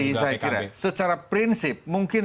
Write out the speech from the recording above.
meskipun ya tadi saya kira secara prinsip mungkin